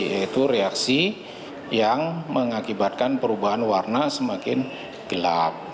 yaitu reaksi yang mengakibatkan perubahan warna semakin gelap